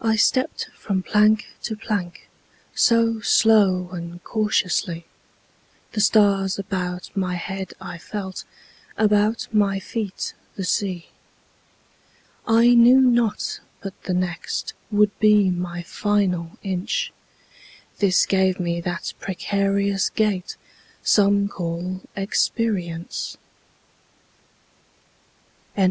I stepped from plank to plank So slow and cautiously; The stars about my head I felt, About my feet the sea. I knew not but the next Would be my final inch, This gave me that precarious gait Some call experience. LIV.